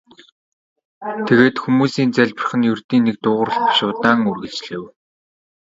Тэгээд хүмүүсийн залбирах нь ердийн нэг дуугаралт биш удаан үргэлжлэв.